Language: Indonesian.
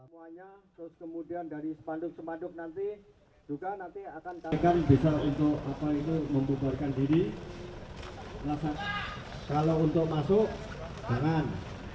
tidak ada yang berpikir kalau untuk masuk jangan